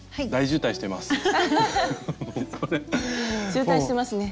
渋滞してますね。